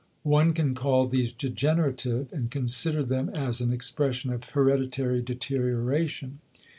One can call these "degenerative" and consider them as an expression of hereditary deterioration.